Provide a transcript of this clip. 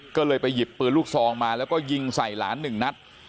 ก็เลยไปหยิบปืนลูกซองมาแล้วก็ยิงใส่หลานหนึ่งนัด